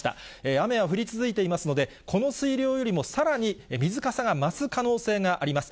雨は降り続いていますので、この水量よりもさらに水かさが増す可能性があります。